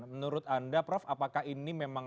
menurut anda prof apakah ini memang